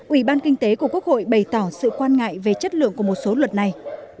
ủy ban kinh tế của quốc hội bày tỏ sự quan ngại về chất lượng của một số luật này